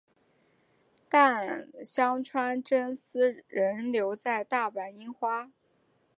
但香川真司仍留在大阪樱花。